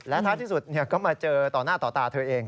ท้ายที่สุดก็มาเจอต่อหน้าต่อตาเธอเอง